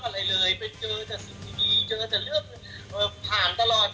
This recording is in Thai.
ถ้าไม่เฟิร์นเกิดมาไม่เคยเจอเรื่องอะไรเลย